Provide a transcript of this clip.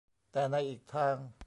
แต่ในอีกทาง